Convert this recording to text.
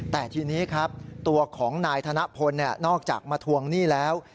แต่ทีนี้ครับตัวของนายธนพลนอกจากมาทวงหนี้แล้ว